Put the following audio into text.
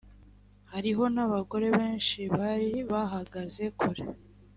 hariho n abagore benshi bari bahagaze kure